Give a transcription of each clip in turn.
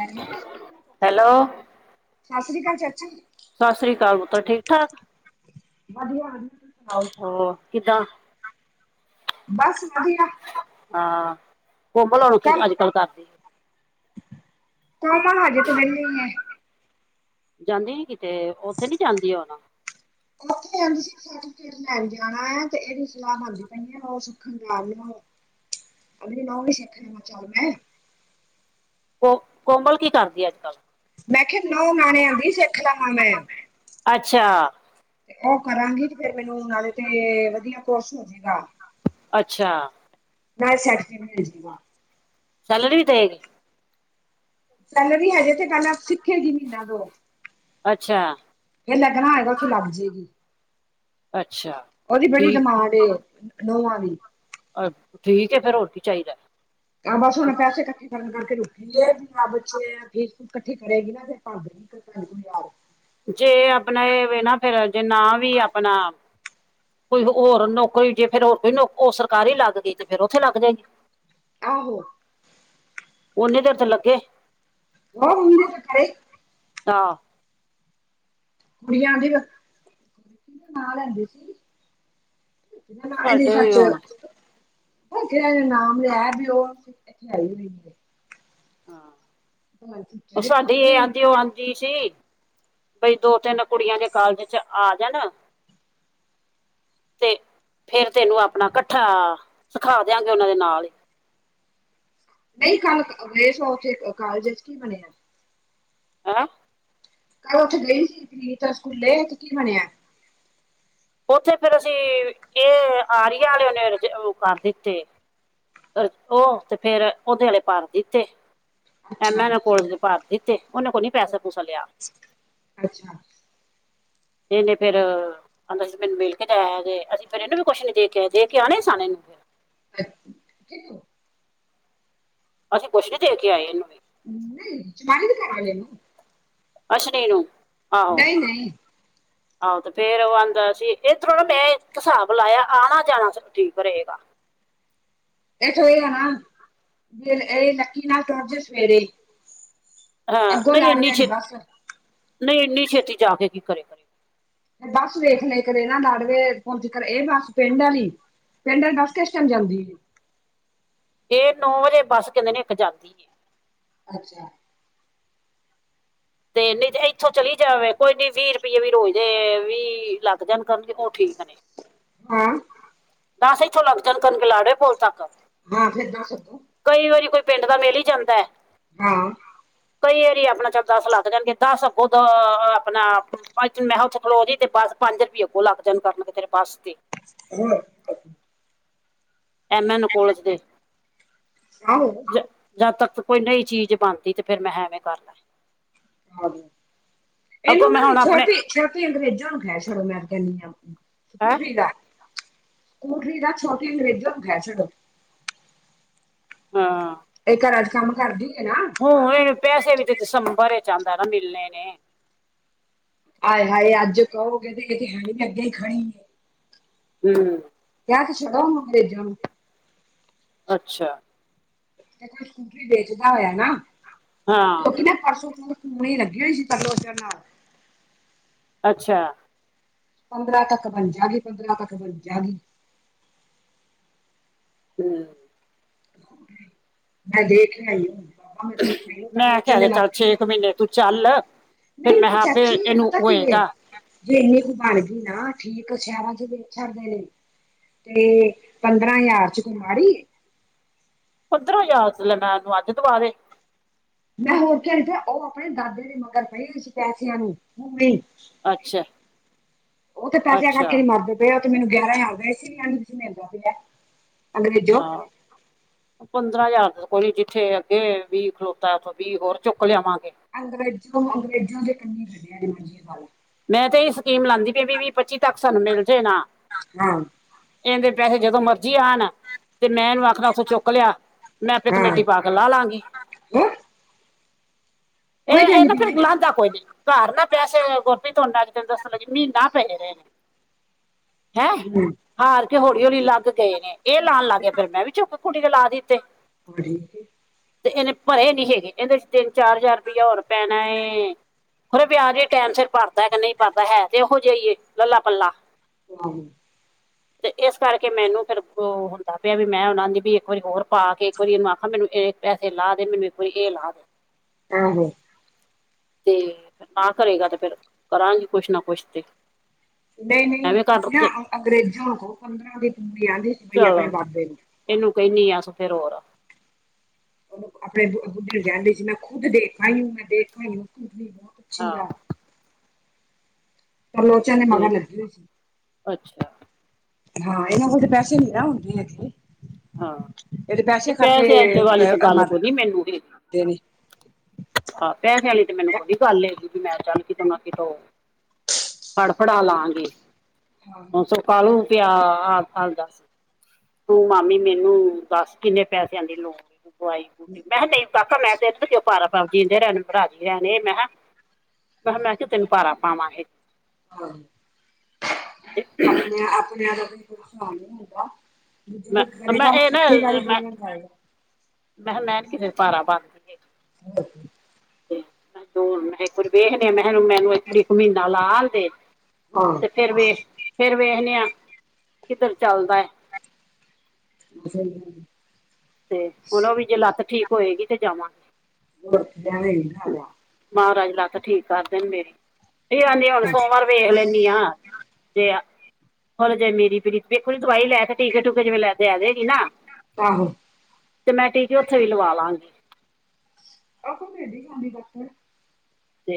Hello ਸਤਿ hello ਸ਼੍ਰੀ ਅਕਾਲ ਚਾਚੀ ਸਤਿ ਸ਼੍ਰੀ ਅਕਾਲ ਪੁੱਤਰ ਠੀਕ- ਠਾਕ ਵਧੀਆ ਓਰ ਹੋ ਕਿੱਦਾਂ ਬਸ ਵਧੀਆ। ਹਾਂ ਕੋਮਲ ਹੋਣ ਕੀ ਕਮ ਅੱਜ ਕੱਲ ਕਰਦੀ ਕੋਮਲ ਹਜੇ ਤੇ ਵੇਹਲੀ ਏ। ਜਾਂਦੀ ਨੀ ਕਿਤੇ ਉੱਥੇ ਨੀ ਜਾਂਦੀ ਹੁਣ [unintelligible] ਲੈਣ ਜਾਣੈ ਤੇ ਇਹਦੀ ਸਲਾਹ ਬਣਦੀ ਪਈ ਏ ਉਹ ਸੁੱਖਣ ਜਾ ਅ ਮ ਉਹ ਸੇਖਣੇ ਚੱਲ ਮੈਂ [unintelligible] ਕੋ ਕੋਮਲ ਕੀ ਕਰਦੀ ਅੱਜ ਕੱਲ੍ਹ ਮੈਂ ਕਿਹਾ ਨੌ ਨਾਣਿਆ ਦੀ ਸਿੱਖ ਦਾ ਮਨ ਐ। ਅੱਛਾ। ਤੇ ਉਹ ਕਰਾਂਗੀ ਤੇ ਫੇਰ ਮੈਨੂੰ ਨਾਲੇ ਤੇ ਵਧੀਆ ਕੋਰਸ ਹੋਜੇਗਾ। ਅੱਛਾ। ਮੈਂ ਸੈੱਦੀ [unintelligible] ਭੇਜਦੀਗਾ। ਸੈਲਰੀ ਵੀ ਦੇਗੀ। ਸੈਲਰੀ ਹਜੇ ਤੇ ਗੱਲ ਸਿੱਖੇਗੀ ਮਹੀਨਾ ਦੋ। ਅੱਛਾ। ਜੇ ਲੱਗਨਾ ਹੋਏਗਾ ਉਥੇ ਲੱਗ ਜੇਗੀ। ਅੱਛਾ ਉਹਦੀ ਬੜੀ ਠੀਕ ਡਮਾਂਡ ਏ ਨਉਆਂ ਦੀ ਅ ਠੀਕ ਏ ਫੇਰ ਹੋਰ ਕੀ ਚਾਹੀਦੈ। ਆ ਬਸ ਹੁਣ ਪੈਸੇ ਇਕਠੇ ਕਰਨ ਕਰਕੇ ਰੁਕੀਏ ਵੀ ਆਹ ਬੱਚੇ ਫੀਸ ਫੂਸ ਇਕੱਠੀ ਕਰੇਗੀ ਨਾ ਤੇ ਆਪਾਂ ਯ ਜੇ ਆਪਣਾ ਇਹ ਵੇ ਨਾ ਫੇਰ ਜੇ ਨਾ ਵੀ ਆਪਣਾ ਕੋਈ ਹੋਰ ਨੌਕਰੀ ਜੇ ਫੇਰ ਹੋਰ ਕੋਈ ਨ ਉਹ ਸਰਕਾਰੀ ਲੱਗ ਗਈ ਤੇ ਫੇਰ ਉੱਥੇ ਲੱਗ ਜੇਗੀ। ਆਹੋ ਓਨੀ ਦੇਰ ਤੇ ਲੱਗੇ ਉਹ ਹੁੰਦੀ ਆਂ ਖਰੇ ਟਾ ਕੁੜੀਆਂ ਆਂਦੀ ਆਂ ਨਾਂ ਲੈਂਦੇ ਸੀ [unintelligible] ਸਾਡੇ ਵੀ ਸਚ ਹੁਣ ਉਹ ਜਿਨਾਂ ਨੇ ਨਾਮ ਲਿਆ ਬੀ ਉਹ ਇਥੇ ਆਈ ਹੋਈ ਹਾਂ ਉਹ ਸਾਡੀ ਇਹ ਹਾਂਜੀ ਆਂਦੀ [unintelligible] ਉਹ ਆਂਦੀ ਸੀ ਬਈ ਦੋ ਤਿੰਨ ਕੁੜੀਆਂ ਜੇ ਕਾਲਜ ਚ ਆ ਜਾਣ ਤੇ ਫੇਰ ਤੈਨੂੰ ਆਪਣਾ ਇਕੱਠਾ ਸਿਖਾ ਦਿਆਂਗੇ ਉਹਨਾਂ ਦੇ ਨਾਲ ਹੀ ਨਹੀਂ ਕੱਲ ਗਏ ਸੋ ਉੱਥੇ ਕਾਲਜ ਚ ਕੀ ਬਣਿਐ। ਆ ਕੱਲ ਉੱਥੇ ਗਈ ਸੀ ਪ੍ਰੀਤ ਸਕੂਲੇ ਓ ਥੇ ਕੀ ਬਣਿਆ ਉੱਥੇ ਫੇਿਰ ਅਸੀਂ ਇਹ ਆਰੀਆ ਵਾਲੇ ਉਹਨੇ ਰਜ ਕਰ ਦਿੱਤੇ ਉਹ ਤੇ ਫੇਰ ਉਹਦੇ ਆਲੇ ਭਰ ਦਿੱਤੇ ਐਮ ਅੱਛਾ ਐ ਨ ਕੋਲਜ ਦੇ ਭਰ ਦਿੱਤੇ ਉਹਨੇ ਕੋ ਨੀ ਪੈਸਾ ਪੂਸਾ ਲਿਆ ਅੱਛਾ ਇਹਨੇ ਫੇਰ ਆਂਦਾ ਸੀ ਮੈਨ ਮਿਲ ਕੇ ਜਾਇਆ ਜੇ ਅਸੀਂ ਫਿਰ ਇਹਨੂੰ ਵੀ ਕੁੱ ਛ ਨੀ ਦੇ ਕੇ ਆਏ ਦੇ ਕੇ ਆਣੇ ਸਨ ਇਨੂੰ ਫਿਰ ਅੱ ਕਿਨੂੰ ਅਸੀਂ ਕੁਛ ਨੀ ਦੇ ਕੇ ਆਏ ਇਹਨੂੰ ਵੀ ਨਹੀਂ ਚ ਮਾਰੀ ਦੇ ਘਰ ਵਾਲੇ ਨੂੰ ਅਸ਼ਨੀ ਨੂੰ ਆਹੋ ਨਹੀਂ ਨਹੀਂ ਆਹੋ ਤੇ ਫੇਰ ਉਹ ਆਂਦਾ ਸੀ ਏਦਰੋ ਨਾ ਮੈਂ ਇੱਕ ਹਿਸਾਬ ਲਾਇਆ ਆਣਾ ਜਾਣਾ ਸਬ ਠੀਕ ਰਹੇਗਾ ਇਥੋਂ ਇਹ ਆ ਨਾ ਜ ਇਹ ਲੱਕੀ ਨਾਲ ਟੁਰ ਜੇ ਸਵੇਰੇ ਈ ਹਾਂ ਨਹੀਂ ਇੰਨੀ ਬੱਸ ਛੇਤੀ ਨਹੀਂ ਇੰਨੀ ਛੇਤੀ ਜਾ ਕੇ ਕੀ ਕਰੇ ਕਰੇਗਾ ਤੇ ਬੱਸ ਵੇਖ ਲੇ ਕਰੇ ਨਾ ਲਾਡਵੇ ਪੋਂਚ ਕਰ ਇਹ ਬੱਸ ਪਿੰਡ ਵਾਲੀ ਪਿੰਡ ਆਲੀ ਬਸ ਕਿਸ ਟੈਮ ਜਾਂਦੀ ਏ ਏ ਨੌ ਵਜੇ ਬੱਸ ਕਹਿੰਦੇ ਨੇ ਇੱਕ ਜਾਂਦੀ ਏ ਅੱਛਾ ਤੇ ਨਹੀਂ ਇੱਥੋਂ ਚਲੀ ਜਾਵੇ ਕੋਈ ਨੀ ਵੀਹ ਰੁਪਈਏ ਵੀ ਰੋਜ਼ ਦੇ ਵੀ ਲੱਗ ਜਾਣ ਕਰਨਗੇ ਉਹ ਠੀਕ ਨੇ ਹੈਂ ਦਸ ਇੱਥੋਂ ਲੱਗ ਜਾਣ ਕਰਨਗੇ ਲਾਡਵੇ ਪੁਲ ਤੱਕ ਹਾਂ ਫਿਰ ਦਸ ਅਗੋ ਕਈ ਵਾਰੀ ਕੋਈ ਪਿੰਡ ਦਾ ਮੇਲ ਹੀ ਜਾਂਦਾ ਹੈ ਹਾਂ ਕਈ ਏਰੀ ਆਪਣਾ ਚ ਦਸ ਲੱਗ ਜਾਣਗੇ ਦਸ ਅੱਗੋਂ ਦ ਆਪਣਾ ਮੈਂ ਉੱਥੇ ਖਲੋ ਜੀ ਤੇ ਬਸ ਪੰਜ ਰੁਪਈਏ ਅੱਗੋ ਲੱਗ ਜਾਣ ਕਰਨਗੇ ਤੇਰੇ ਬੱਸ ਤੇ ਹਣ ਐਮ ਐਨ ਕੋਲਜ ਦੇ ਆਹ ਜਦ ਤੱਕ ਕੋਈ ਨਹੀਂ ਚੀਜ਼ ਬਣਦੀ ਤੇ ਫੇਿਰ ਮੈਂ ਐਵੇਂ ਕਰ ਲੈ ਆਹੋ ਅੱਗੋਂ ਇਹਨੂੰ ਮੈਂ ਨਾ ਹੁਣ ਆਪਣੇ ਛੋਟੀ ਛੋਟੀ ਅੰਗਰੇਜ਼ਾਂ ਨੂੰ ਖਹਿ ਛਡੋ ਮੈਂ ਕਹਿੰਦੀ ਆ ਹੈਂ ਸਕੂਟਰੀ ਦਾ ਸਕੂਟਰੀ ਦਾ ਛੋਟੀ ਅੰਗਰੇਜ਼ਾਂਨੂੰ ਕੈ ਛੱਡੋ ਹਾਂ ਇਹ ਘਰਾਂ ਚ ਕੰਮ ਕਰਦੀ ਹੈ ਨਾ ਹੁਣ ਇਹ ਪੈਸੇ ਵੀ ਤੇ ਦਸੰਬਰ ਚ ਆਂਦਾ ਨਾ ਮਿਲਣੇ ਨੇ ਆਾਏ ਹਾਏ ਅੱਜ ਕਹੋਗੇ ਤੇ ਇਹ ਤੇ ਹੈ ਨੀ ਵੀ ਅੱਗੇ ਹੀ ਖਣੀਏ ਹਮ ਯਾ ਤੁਸੀਂ ਕ ਓਅੰਗਰੇਜਣ ਨੂੰ ਅੱਛਾ। ਜੇ ਕੋ ਈ ਸਕੂਟਰੀ ਵੇਚਦਾ ਹੋਇਆ ਨਾ ਹਾਂ ਕਿਉਂਕਿ ਨਾ ਪਰਸੋਂ ਤ ਪੂਣੀ ਲਗੀ ਹੋਈ ਸੀ ਤਰਲੋਚਨ ਨਾਲ ਅੱਛਾ। ਪੰਦਰਾਂ ਤੱਕ ਬਣ ਜਾਗੀ ਪੰਦਰਾਂ ਤੱਕ ਬਣ ਜਾਗੀ। ਹੂੰ। ਮੈ ਦੇਖ ਣੇ ਨ [unintelligible] ਮੈਂ ਕੇਯਾ ਕੇ ਚੱਲ ਛੇ ਕੁ ਮਹੀਨੇ ਤੂੰ ਚੱਲ। ਫਿਰ ਨਹੀਂ ਮੈਂਹ ਨਹੀਂ ਆਪੇ ਚਾਚੀ ਏਨੂੰ ਪਤਾ ਕੀ ਏ ਹੋਏਗਾ। ਜੇ ਇੰਨੀ ਕੁ ਬਣ ਗਈ ਨਾ ਠੀਕ ਸ਼ਹਿਰਾਂ ਵੇਚ ਛੱਡਦੇ ਨੇ ਤੇ ਪੰਦਰਾਂ ਹਜ਼ਾਰ ਚ ਕੋਈ ਮਾੜੀ ਏ। ਪਦਰਾਂ ਹਯਾਰ ਚ ਲੈ ਮਾ ਨੂੰ ਅਦ ਦਵਾ ਦੇ। ਮੈਂ ਹੋਰ ਕਯਾ ਚਾਇਦਾ ਔ ਅਪਣੇ ਦਾਦੇ ਦੇ ਮਗਰ ਪਈ ਸੀ ਪੈਂਦਾ ਨੂੰ ਹੁਨ ਵੀ ਅੱਛਾ ਔਤੇ ਪੈਸੇਯਾ ਅੱਛਾ ਕਰਕੇ ਹੀ ਮਰਦੇ ਪੇ ਤੇ ਅੱਗੇ ਮੈਨੂੰ ਗਿਆਰਾਂ ਹਜਾਰ ਪਏ ਸੀ ਮੈਨੁੰ ਨਈ ਸੀ ਮਿਲਦਾ ਪਯਾ। ਝ ਹਾਂ। ਪੰਦਰਾਂ ਹਜ਼ਾਰ ਕੋਈ ਜਿੱਥੇ ਅੱਗੇ ਵੀਹ ਖਲੋਤਾ ਔਥੋਂ ਵੀਹ ਹੋਰ ਚੁੱਕ ਲਿਆਵਾਂਗੇ। [unintelligible] ਮੈਂ ਤਾਂ ਏਈ ਸਕੀਮ ਲਾਂਦੀ ਪਈ ਵੀ, ਵੀ- ਵੀ, ਪੱਚੀ-ਪਚੀ ਤੱਕ ਸਾਨੂੰ ਮਿਲ ਜੇ ਨਾ- ਹਾਂ। ਏਂਦੇ ਪੈਸੇ ਜਦੋਂ ਮਰਜ਼ੀ ਆਣ। ਤੇ ਮੈਂ ਏਨੂੰ ਆਖਨਾ। ਥੋ ਚੁੱਕ ਲਿਆ। ਮੈਂ ਆਪੇ ਕਮੇਟੀ ਪਾ ਕੇ ਲਾਹ ਲਾਂਗੀ। ਏ ਏਨਾ ਫੇਰ ਲਾਂਦਾ ਕੋਈ ਨੀ ਘਰ ਨਾ ਪੈਸੇ ਅ ਵੀ ਤਾਨੂੰ ਅੱਜ ਦੱਸਨ ਲਗੀ ਮੀਨਾ ਪੈ ਜਾਨੇ ਨੇ ਹੈਂ। ਹਾਰ ਕੇ ਹੌਲੀ-ਹੌਲੀ ਲੱਗ ਗਏ ਨੇ, ਏਹ ਲਾਣ ਲੱਗ ਗਏ, ਫੇਰ ਮੈਂ ਵੀ ਚੁੱਕ ਕੁੁੜੀ ਦੇ ਲਾ ਦਿੱਤੇ। [unintelligible] ਤੇ ਏਨੇ ਭਰੇ ਨੀ ਹੈਗੇ। ਏਂਦੇ ਚ ਤਿੰਨ, ਚਾਰ ਹਜ਼ਾਰ ਰਪਇਆ ਹੋਰ ਪੈਣਾ ਏ। ਹਰ ਵਆਜ ਵੀ ਟਾਈਮ ਸਿਰ ਭਰ। ਜਦ ਨੀ ਕਰਦਾ ਹੈ ਸੀ ਔ ਔਹੋ ਜੇਈ ਏ ਕਲਾ -ਕਲਾ। ਆਹੋੋ। [unintelligible] ਤੇ ਏਸ ਕਰਕੇ ਮੈਨੂੰ ਫੇਰ ਔ ਹੋਂਦਾ ਪਿਆ ਵੀ ਮੈਂ ਔਨਾਂ ਦੀ ਵੀ ਇੱਕ ਵਾਰੀ ਹੋਰ ਪਾ ਕੇ ਇੱਕ ਵਾਰੀ ਏਨੂੰ ਆਖਾਂ ਮੈਨੂੰ ਇਹ ਪੈਸੇ ਲਾ ਦੇ ਮੈਨੂੰ, ਇਕ ਵਾਰੀ ਏਹ ਲਾ ਦੇ ਆਹੋ- ਤੇ ਨਾ ਕਰੇਗਾ ਤੇ ਫੇਰ ਕਰਾਂਗੀ ਕੁਛ ਨਾ ਕੁਛ ਤੇ। ਨਈ ਨਈ ਐਵੇਂ ਕਰ ਤੁਸੀ ਨਾ ਤੇ ਅੰਗਰੇਜੁ ਕੋ ਪੰਦਰਾਂ ਦੇ ਤੇਨੂੰ ਦੇਯਾਂਗੀ। ਚਲੋ ਏਨੂੰ ਕੈਨੀ ਅਸ ਫੇਰ ਹੋਰ। ਅਪਨੇ ਆਪਣੇ ਬੁੱਢੀ ਨੂੰ ਕੈਂਦੇ ਸੀ ਮੈਂ ਖੁਦ ਦੇਖਈ ਮੈਂ ਦੇਖੀ ਕਹੀਂ ਨਾ ਅੱਛੀ ਹਾਂ ਆ। ਪਰ ਲੋਚਨ ਦੇ ਮਗਰ ਤੇ ਲਗੀ ਹੋਈ ਸੀ। ਅੱਛਾ। ਹਾਂ ਏਨਾਂ ਕੋਲ ਤਾਂ ਪੈਸੇ ਨੀ ਨਾ ਹੋਂਨਗੇ ਬੀੲਡ ਦੇ। ਹਾਂ ਏਦੇੇ ਤੇ ਪੈਸੇ ਕਰਕੇ ਤੇ ਵਾਲੀ ੲਏ ਤੇ ਅਮ ਗੱਲ ਮਰ ਕੋਈ ਨੀ ਦੇ ਨੇ। ਅਹ ਪੈਸੇ ਆ ਲਈ ਕਹ ਲੈਏ ਤੇ ਮੈਨੂੰ ਬਡੀ ਗੱਲ ਹੇ। [unintelligible] ਚੱਲ ਮੈ ਕਿਤੋ ਨਾ ਕਿਤੋਂ ਫੜ ਫੜਾ ਲਾਂਗੇ ਹਾਂ ਹੁਣ ਸਰਕਾਰੀ ਸੋ ਕਾਲੂ ਪਿਆ ਅਠ ਸਾਲ ਦਸ। ਤੂੰ ਮਮੀ ਮੈਨੂੰ ਦੱਸ ਕਿੰਨੇ ਪੈਸਿਆਂ ਦੀ ਲੋੜ ਦਵਾਈ -ਦਵੂਈ। ਮੈਂ ਹ ਕਯਾ ਨਈ। ਕਾਕਾ ਮੈਂ ਤੇ ਅਜ ਬਾਰਾ ਸਾਲ ਜੀਂਦੇ ਰਹਿਣਾ ਭਰਾ ਜੀ ਆ ਨੇ ਮੈਂ ਹਾਂ ਮੈਂ ਕਿਹਾ। ਮੈ ਕਿਯੋਂ ਤੈਨੂ ਭਾਰਾ ਪਾਵਾਂਗੇ। ਆਹ ਤੇ [unintelligible] ਆਪਣੇ ਆਪਣੇਆਂ ਦਾ ਕੋਈ ਈ ਗੁਸਾ ਨੀ ਹੋਂਦਾ। ਜੋ ਜੇੜਾ ਮੈਂ ਮੈਂ ਕਰੇਗਾ ਇਹ ਨਾ ਛੱਤੀ ਵਾਰੀ ਮੈਂ ਮੈਂ ਪੈਲਾ ਖਾਏਗਾ। ਕਿਹਾ ਮੈਂ ਨੀ ਕਿਸੇ ਭਾਰਾ ਬਣਦੀ ਹੈਗੀ ਹ [unintelligible] ਤੇ ਮੈਂ ਦੋ ਮੈ ਅਹ ਇਕ ਵਾਰੀ ਮੈਹ ਏਨੂੰ ਮੈ ਕਯਾ ਇਕ ਵਾਰੀ ਮੈਨੂੰ ਮੀਨਾ ਲਾਨ ਦੇ। ਕੋਨ। ਤੇ ਫੇਰ ਵੇਖ ਫੇਰ ਵੇਖਨੇ ਆਂ ਕਿੱਧਰ ਚੱਲਦਾ ਏ। [unintelligible] ਫੇਰ ਹੁਨ ੳ ਵੀ ਜੇ ਲੱਤ ਠੀਕ ਹੋਏਗੀ ਤੇ ਜਾਵਾਂਗੇ। ਵਿਆਵਾ [unintelligible] ਮਹਾਰਾਜ ਲੱਤ ਠੀਕ ਕਰਦੇਣ ਮੇਰੀ, ੳ ਕਹਿੰਦੀ ਹੁਣ ਸੋਮਵਾਰ ਵੇਖ ਲੈਂਦੀ ਆਂ ਜੇ ਆ ਖੋਲ ਜੇ ਮੇਰੀ ਪੂਰੀ, ਵੇਖੋ ਜੀ ਦਵਾਈ ਲੈ ਕੇ ਟੀਕੇ ਟੂਕੇ ਜਿਵੇਂ ਲੈ ਕੇ ਆਜੇਗੀ ਨਾ ਆਹੋ। ਤੇ ਮੈਂ ਟੀਕੇ ਉੱਥੇ ਵੀ ਲਵਾ ਲਾਂਗੀ। ਆਹੋ ਮੇਦੀ ਗੀ ਡ [unintelligible] ਤੇ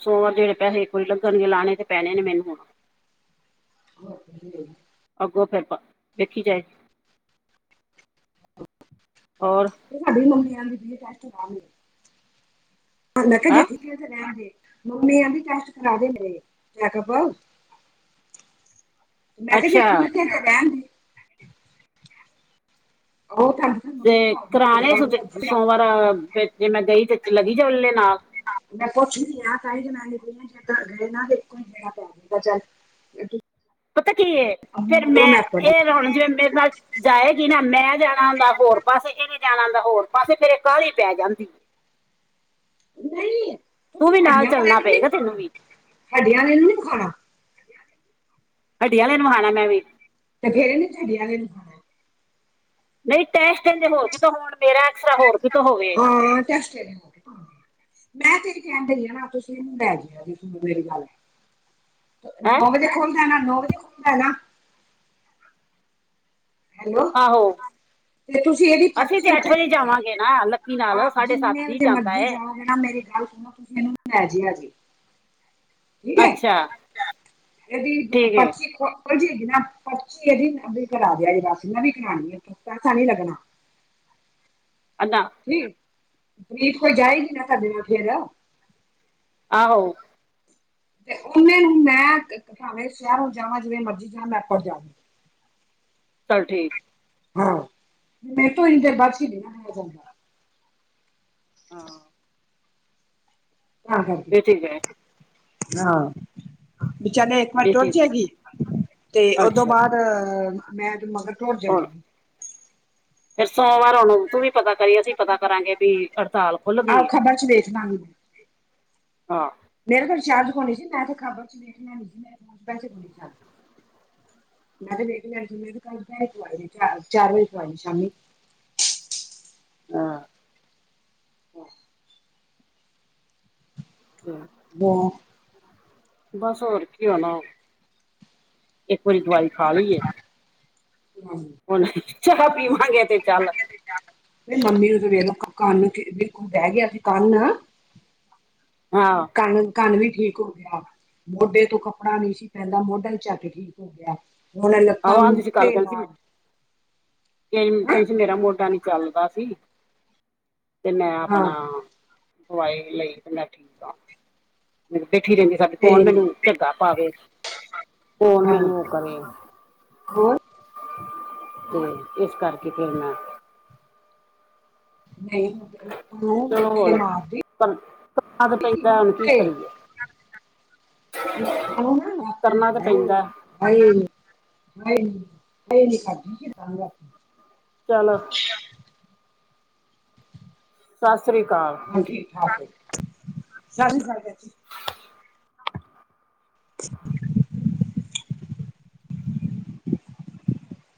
ਸੋਮਵਾਰ ਜਿਹੜੇ ਪੈਸੇ ਇਕ ਵਾਰੀ ਲੱਗਣਗੇ ਲਾਣੇ ਤੇ ਪੈਣੇ ਨੇ ਮੈਨੂੰ ਹੁਣ। ਹ [unintelligible] ਅੱਗੋਂ ਫਿਰ ਪ, ਵੇਖੀ ਜਾਏ। ਔਰ ਤੇ ਸਾਡੀ ਮੰਮੀ ਕਹਿੰਦੀ ਪਈ ਏ ਟੈਸਟ ਕਰਾਲੋ। ਮੈ ਕੇਹਾ ਜੇ ਹੈ ਛੁਟਿਆਂ ਰੈਣਗੇ ਮੰਮੀ ਕਹਂਦੀ ਟੈਸਟ ਕਰਾ ਦੇ ਮੇਰੇ ਮੈ ਕੇਹਾ ਬੳ ਮੈਂ ਕਿਹਾ ਜੇ ਅੱਛਾ ਠੀਕ ਏ ਤੇ ਰੈਣਦੇ। ਉਹ ਤਾਂ ਤੇ ਪੁਰਾਣੇ ਸੁਚ ਸੋਮਵਾਰ ਜੇ ਮੈਂ ਗਈ ਤੇ ਲੱਗੀ [unintelligible] ਨਾਲ। ਮੈਂ ਪੁੱਛ ਨੀ ਆ, ਤਾਹੀਮ ਤਾਂ ਮੈਂ ਨ ਜੇ ਘਰ ਗਏ ਨਾ ਤੇ ਇੱਕੋ ਹੀ ਬੇਣਾ ਪੈ ਜਾਗਾ ਚੱਲ [unintelligible] ਅੱ [inaudible] ਪਤਾ ਕੀ ਏ, ਫੇਰ ਮੈਂ ਪੜ੍ਹੀ ਏ ਹੁਣ ਜਿਵੇਂ ਮੇਰੇ ਨਾਲ ਜਾਏਗੀ ਨਾ ਮੈਂ ਜਾਣਾ ਹੁੰਦਾ ਹੋਰ ਪਾਸੇ ਇਹਨੇ ਜਾਣਾ ਹੁੰਦਾ ਹੋਰ ਪਾਸੇ, ਫੇਰ ਐ ਕਾਲੀ ਪੈ ਜਾਂਦੀ ਏ। ਨਈ ਤੂੰ ਤੁਸੀਂ ਵੀ ਨਾਲ ਹਡੀਆਂ ਵਾਲੇ ਚੱਲਣਾ ਨੂੰ ਨਈ ਪਏਗਾ ਤੈਨੂੰ ਵਖਾਣਾ, ਵੀ ਹੱਡੀਆਂ ਵਾਲੇ ਨੂੰ ਨੀ ਵਖਾਣਾ। ਹੱਡੀਆਂ ਵਾਲੇ ਨੂੰ ਵਖਾਣਾ ਮੈਂ ਵੀ। ਤਾਂ ਫੇਰ ਨੀ ਹੱਡੀਆਂ ਆਲੇ ਨੂੰ ਵਖਾਣੇ। ਨਈ ਟੈਸਟ ਕੈਂਦੇ ਹੋਰ ਕੀਤੋ ਹੋਣ, ਮੇਰਾ ਐਕਸਰੇ ਹੋਰ ਕੀਤੋ ਹੋਵੇ। ਹਾਂ ਟੇਟਸ ਹੋਰ ਕਿਤੋ। ਮੈਂ ਤੇਰੀ ਕਹਿਣ ਡਈ ਆ ਨਾ, ਤੁਸੀਂ ਇਹਨੂੰ ਲੈ ਜੇਆ ਜੇ ਸੁਣੋ ਮੇਰੀ ਗੱਲ। ਹੈਂ ਨੌ ਵਜੇ ਖੁਲਦਾ ਏ ਨਾ, ਨੌ ਵਜੇ ਖੁਲਦਾ ਏ ਨਾ। ਹੈਲੋ ਆਹੋ ਤੇ ਤੁਸੀਂ ਇਹਦੀ ਅਸੀਂ ਪਰਚੀ ਤੇ ਅੱਠ ਉੱਥੇ ਵਜੇ ਜਾਵਾਂਗੇ ਨਾ ਲੱਕੀ ਆ ਨਾਲ ਸਾਡੇ ਜਿੰਨੇ ਸੱਤ ਈ ਵਜੇ ਜਾਂਦਾ ਮਰਜ਼ੀ ਏ। ਜਾਓਗੇ ਮੇਰੀ ਗੱਲ ਸੁਣੋ ਤੁਸੀਂ ਇਹਨੂੰ ਲੈ ਜੀਆ ਜੇ। ਠੀਕ ਏ। ਅੱਛਾ ਅੱਛਾ, ਏਦੀ ਠੀਕ ਏ ਪਰਚੀ ਭਜੀ ਨਾ ਪਰੱਚੀ ਇਹਦੀ ਨਾਂ ਦੀ ਕਰਾ ਦੇਆ ਜੇ ਬਸ ਨਵੀ ਕਰਾਣੀ ਏ ਪੈਸਾ ਨੀ ਲੱਗਣਾ। ਅਦਾ ਠੀਕ, ਪ੍ਰਿਤ ਕੋਲ ਜਾਏਗੀ ਨਾ ਸਾਡੀ [unintelligible] ਆਹੋ। ਤੇ ਉਹਨੇ ਨੂੰ ਮੈਂ ਕ-ਕ ਭਾਵੇਂ ਸ਼ਹਿਰੋ ਜਾਵਾਂ ਜਿਵੇਂ ਮਰਜੀ ਜਾਵਾਂ ਮੈਂ ਪੋਂਚ ਜਾਂਗੀ। ਚਲ ਠੀਕ ਹਾਂ ਨਟੋ ਹਦੇ ਬਰਸ [unintelligible] ਹਾਂ ਤਾਂ ਕਰਕੇ ਇਹ ਠੀਕ ਹੈ ਹਾਂ ਵਿ ਚਾਲ ਏ ਮੈਂ ਇਹ ਤੁਰ ਠੀਕ ਹੈ ਜੇਗੀ, ਤੇ ਉਦੋਂ ਅੱਛਾ ਬਾਅਦ ਮੈਂ ਏਦੇ ਮਗਰ ਤੁਰ ਜਾਵਾਂਗੀ। ਫੇਰ ਸੋਮਵਾਰ ਹੁਣ ਤੂੰ ਵੀ ਪਤਾ ਕਰੀ ਅਸੀਂ ਪਤਾ ਕਰਾਂਗੇ ਵੀ ਹੜਤਾਲ ਖੁੱਲ ਆਹੋ ਗਈ ਹੈ ਖੱਬਰਾ ਚ ਦੇਖ ਦਾਗੀ ਮੈੰ। ਹਾਂ। ਮੇਰਾ ਤਾਂ ਰਿਚਾਰਜ ਕੋਨੀ ਸੀ ਮੈਂ ਤੇ ਖਬਰ ਚ ਵੇਖ ਲੈਣੀ ਸੀ ਮ ਪੈਸੇ ਖ ਸ ਮੈਂ ਤੇ ਬੇਟੀ ਆਈ ਸੀ ਮਣ ਕੱਲੈ ਪਵਾਏ ਚ ਚਾਰ ਵਜੇ ਪਵਾਏ ਸ਼ਾਮੀ। ਹਾਂ। [inaudible] ਕਿਆ? ਬੋ ਬਸ ਹੋਰ ਕੀ ਹੋਣਾ? ਇੱਕ ਵਾਰੀ ਦਵਾਈ ਖਾ ਲਈਏ ਹੈ। ਹਾਂਜੀ। ਹੁਣ ਚਾਹ ਪੀਵਾਂਗੇ ਤੇ ਚੱਲ। ਨਹੀਂ ਮੰਮੀ ਉਹਦੋਂ ਵੇਰ ਕੰਨ ਬਹਿ ਗਿਆ ਸੀ ਕੰਨ ਆ [inaudible] ਹਾਂ। ਕੰਨ -ਕੰਨ ਵੀ ਠੀਕ ਹੋ ਗਿਆ। ਮੋਢੇ ਤੋਂ ਕੱਪੜਾ ਨਹੀਂ ਸੀ ਪੈਂਦਾ ਮੋਢਾ ਚੱਟ ਕੇ ਠੀਕ ਹੋ ਗਿਆ। ਹੁਣ ਯੇ ਲੱਤਾਂ ਨੂੰ ਮੁੱਕੇ ਮਾਰ ਕਹਿੰ ਹੈਂ ਕੇਹਦੀ ਸੀ ਮੇਰਾ ਮੋਢਾ ਨਹੀਂ ਚੱਲਦਾ ਸੀ। ਤੇ ਮੈਂ ਹਾਂ ਆਪਣਾ ਦਵਾਈ ਲਈ ਤੇ ਮੈਂ ਠੀਕ ਹਾਂ ਆ। ਬੈਠੀ ਰਹਿੰਦੀ ਸਾਡੇ ਤੇ ਕੌਣ ਮੈਨੂੰ ਝੱਗਾ ਪਾਵੇ ਕੌਣ ਹਾਂ ਮੈਨੂੰ ਕਰੇ ਹੋਰ ਤੇ ਇਸ ਕਰਕੇ ਫਿਰ ਮੈਂ ਨਹੀਂ ਹ ਪਹਿਲਾਂ ਚਲੋ ਹੋਰ ਕਰਨਾ ਪ ਭੈ ਹੁਣ ਕੀ ਮੁੱਕੇ ਕਰੀਏ? ਕਰਨਾ ਤਾਂ ਪੈਂਦਾ ਏ। ਹਾਏ-ਹਾਏ ਨਾਏ ਨੀ ਖਾਦੀ ਕਿ ਚਾ ਨਾ ਸਤਿ ਸ਼੍ਰੀ ਅਕਾਲ। ਹੁਣ ਠੀਕ- ਠਾਕ ਆ। [inaudible]